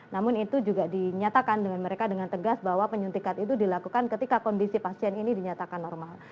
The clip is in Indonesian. namun itu juga dinyatakan dengan mereka dengan tegas bahwa penyuntikan itu dilakukan ketika kondisi pasien ini dinyatakan normal